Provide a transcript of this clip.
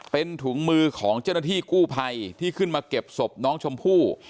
เป็นถุงมือของเจ้าหน้าที่กู้ภัยที่ขึ้นมาเก็บศพน้องชมพู่